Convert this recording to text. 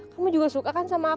kamu juga suka kan sama aku